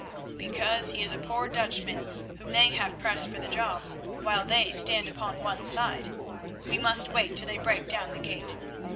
"Because he is a poor Dutchman whom they have pressed for the job, while they stand upon one side. We must wait till they break down the gate.